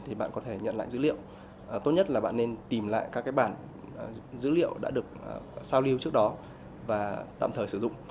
tốt nhất là bạn nên tìm lại các bản dữ liệu đã được sao lưu trước đó và tạm thời sử dụng